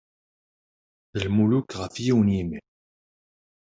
D lmuluk ɣef yiwen n yimi.